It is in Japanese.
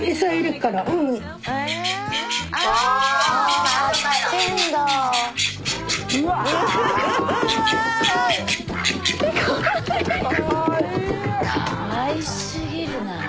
かわいすぎるな。